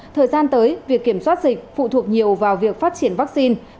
thời gian tới việc kiểm soát dịch phụ thuộc nhiều vào việc phát triển vaccine